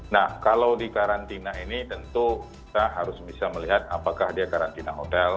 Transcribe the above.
nah kalau di karantina ini tentu kita harus bisa melihat apakah dia karantina hotel